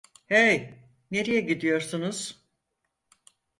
Hey, nereye gidiyorsunuz?